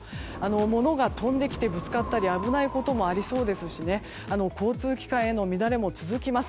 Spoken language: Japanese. ものが飛んできてぶつかったり危ないこともありそうですし交通機関への乱れも続きます。